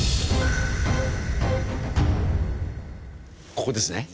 ここですね。